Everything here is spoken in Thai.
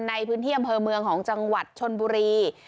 ในพื้นที่อำเภอเมืองของจังหวัดชนบุรี